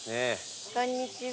こんにちは。